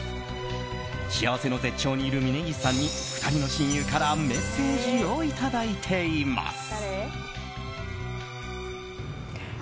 幸せの絶頂にいる峯岸さんに２人の親友からメッセージをいただいています。